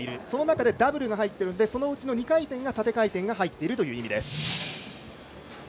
その中でダブルが入っているのでそのうち２回転が縦回転が入っているという意味です。